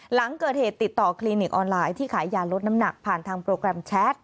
หลังเกิดเหตุติดต่อคลินิกออนไลน์ที่ขายยาลดน้ำหนักผ่านทางโปรแกรมแชท